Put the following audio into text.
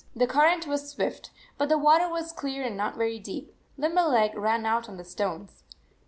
The current was swift, but the water was clear and not very deep. Limberleg ran out on the stones.